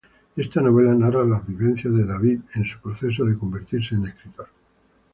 Esta novela narra las vivencias de David en su proceso de convertirse en escritor.